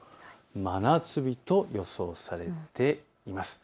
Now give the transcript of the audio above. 真夏日と予想されています。